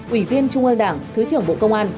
ủy viên trung ương đảng thứ trưởng bộ công an